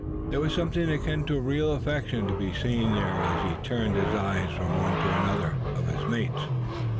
There was something akin to real affection to be seen there as he turned his eyes from one to another of his mates.